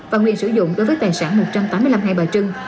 và quyền sử dụng đối với tài sản một trăm tám mươi năm hai bà trưng